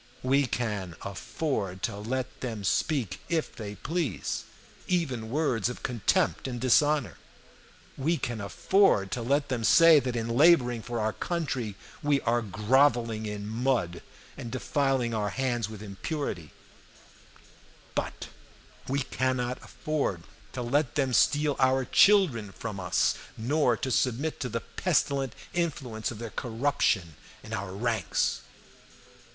We can afford to let them speak, if they please, even words of contempt and dishonor; we can afford to let them say that in laboring for our country we are groveling in mud and defiling our hands with impurity; but we cannot afford to let them steal our children from us, nor to submit to the pestilent influence of their corruption in our ranks.